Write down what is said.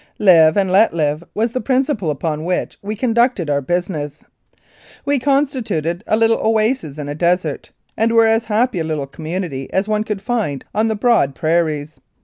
"Live and let live" was the principle upon which we conducted our business ; we constituted a little oasis in a desert, and were as happy a little community as one could find on the broad prairies.